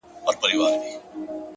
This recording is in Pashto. په دغه خپل وطن كي خپل ورورك;